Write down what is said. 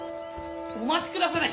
・お待ちくだされ！